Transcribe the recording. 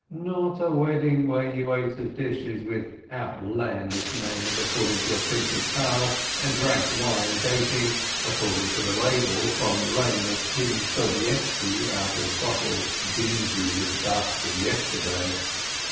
Not a wedding where you ate of dishes with outlandish names, according to a printed card, and drank wine dating, according to the label, from the reign of King Sobieski, out of bottles dingy with the dust of yester day.